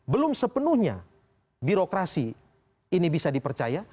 belum sepenuhnya birokrasi ini bisa dipercaya